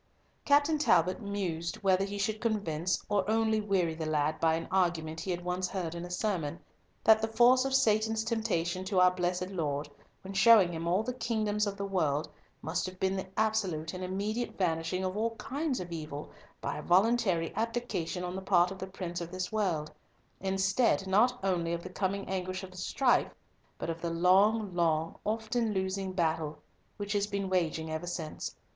Captain Talbot mused whether he should convince or only weary the lad by an argument he had once heard in a sermon, that the force of Satan's temptation to our blessed Lord, when showing Him all the kingdoms of the world, must have been the absolute and immediate vanishing of all kinds of evil, by a voluntary abdication on the part of the Prince of this world, instead not only of the coming anguish of the strife, but of the long, long, often losing, battle which has been waging ever since.